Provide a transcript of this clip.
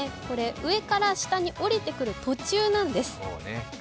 これ、上から下に下りてくる途中なんです。